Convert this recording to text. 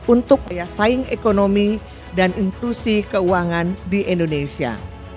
untuk daya saing ekonomi dan inklusi keuangan di indonesia